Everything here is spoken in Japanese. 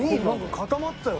固まってたよ